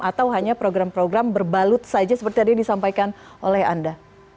atau hanya program program berbalut saja seperti tadi yang disampaikan oleh anda